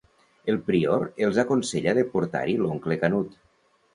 El prior els aconsella de portar-hi l'oncle Canut.